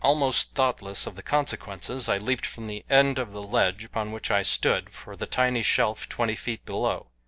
Almost thoughtless of the consequences, I leaped from the end of the ledge upon which I stood, for the tiny shelf twenty feet below.